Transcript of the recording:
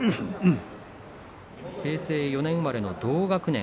平成４年生まれの同学年。